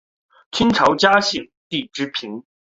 清朝嘉庆帝之嫔。